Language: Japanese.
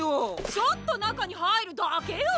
ちょっとなかにはいるだけよ！